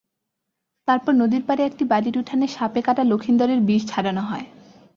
তারপর নদীর পাড়ে একটি বাড়ির উঠানে সাপে কাটা লখিন্দরের বিষ ঝাড়ানো হয়।